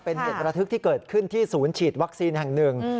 เป็นเหตุระทึกที่เกิดขึ้นที่ศูนย์ฉีดวัคซีนแห่งหนึ่ง